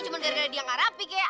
cuma gara gara dia gak rapi kayak